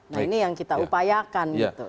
nah ini yang kita upayakan gitu